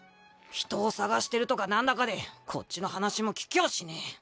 人を捜してるとかなんだかでこっちの話も聞きやしねぇ。